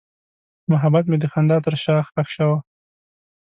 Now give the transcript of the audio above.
محبت مې د خندا تر شا ښخ شو.